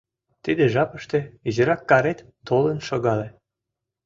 Тиде жапыште изирак карет толын шогале.